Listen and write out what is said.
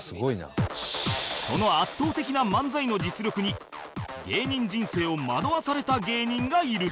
その圧倒的な漫才の実力に芸人人生を惑わされた芸人がいる